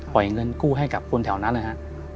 ปล่อยเงินคู้ให้ให้บนแถวนั้น